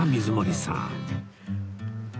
水森さん